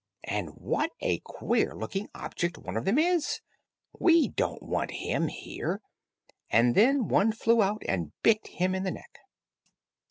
and what a queer looking object one of them is; we don't want him here," and then one flew out and bit him in the neck.